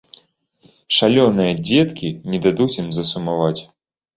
Шалёныя дзеткі не дадуць ім засумаваць.